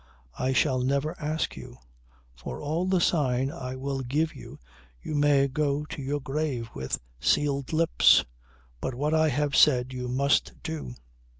I shall never ask you. For all the sign I will give you you may go to your grave with sealed lips. But what I have said you must do!"